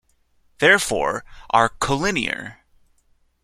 Therefore, are collinear.